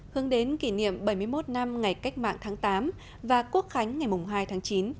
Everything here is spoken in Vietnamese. hướng đến kỷ niệm bảy mươi một năm ngày cách mạng tháng tám và quốc khánh ngày hai tháng chín